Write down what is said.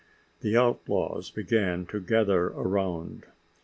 The outlaws began to gather around.